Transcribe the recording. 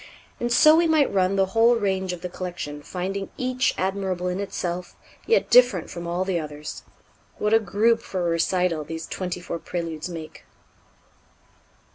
And so we might run the whole range of the collection, finding each admirable in itself, yet different from all the others. What a group for a recital these twenty four Préludes make!